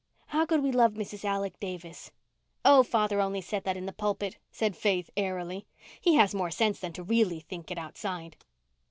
How could we love Mrs. Alec Davis?" "Oh, father only said that in the pulpit," said Faith airily. "He has more sense than to really think it outside."